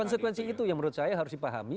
konsekuensi itu yang menurut saya harus dipahami